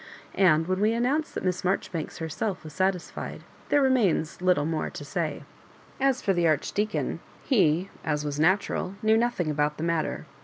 And when we announce that Miss Marjoribanks herself was satisfied, there remains little more to say. As for the Archdeacon, he, as was natu ral, knew nothing about the matter.